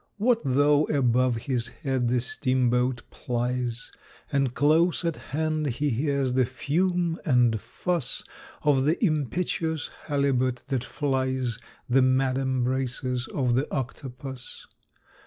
= What though above his head the steamboat plies, `And close at hand he hears the fume and fuss Of the impetuous Halibut that flies `The mad embraces of the Octopus.